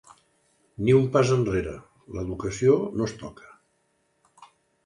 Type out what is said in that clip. Ni un pas enrere, l'educació no és toca.